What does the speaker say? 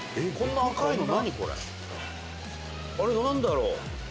あれなんだろう？